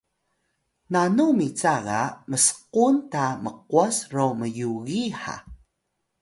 nanu mica ga msquna ta mqwas ro myugi ha!